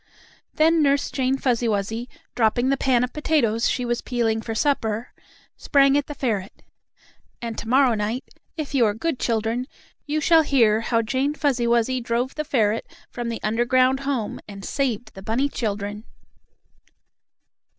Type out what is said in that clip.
Then Nurse Jane Fuzzy Wuzzy, dropping the pan of potatoes she was peeling for supper, sprang at the ferret. And to morrow night, if you are good children, you shall hear how Jane Fuzzy Wuzzy drove the ferret from the underground home and saved the bunny children.